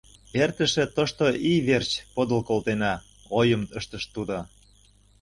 — Эртыше тошто ий верч подыл колтена, — ойым ыштыш тудо.